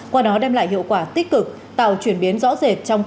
qua đó đem lại hiệu quả tích cực tạo chuyển biến rõ rệt trong công tác